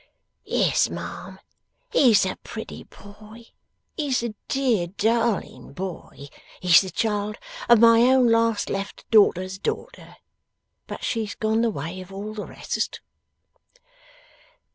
'Yes, ma'am, he's a pretty boy, he's a dear darling boy, he's the child of my own last left daughter's daughter. But she's gone the way of all the rest.